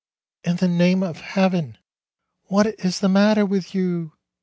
"In the name of Heaven, what is the matter with you?"